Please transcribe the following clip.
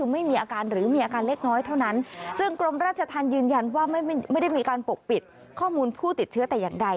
มีอาการเล็กน้อยเท่านั้นซึ่งกรมราชทันยืนยันว่าไม่ได้มีการปกปิดข้อมูลผู้ติดเชื้อแต่อย่างใด